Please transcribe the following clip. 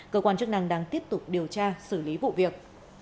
cơ quan chức năng đang tiếp tục điều tra xử lý vụ việc